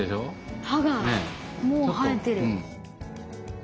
歯がもう生えてる。